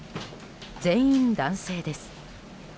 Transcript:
全員、男性です。